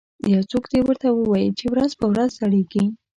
یو څوک دې ورته ووایي چې ورځ په ورځ زړیږي